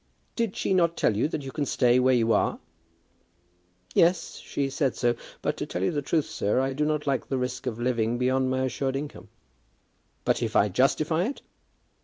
"Did she not tell you that you can stay where you are?" "Yes, she said so. But, to tell you the truth, sir, I do not like the risk of living beyond my assured income." "But if I justify it?"